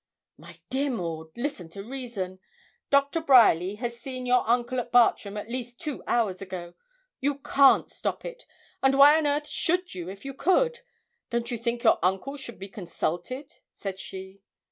'My dear Maud, listen to reason. Doctor Bryerly has seen your uncle at Bartram at least two hours ago. You can't stop it, and why on earth should you if you could? Don't you think your uncle should be consulted?' said she.